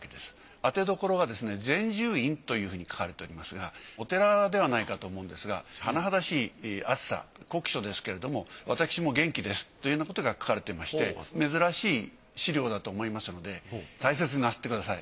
宛てどころがですね善住院というふうに書かれておりますがお寺ではないかと思うんですが「甚だしい暑さ酷暑ですけれども私も元気です」というようなことが書かれてまして珍しい資料だと思いますので大切になすってください。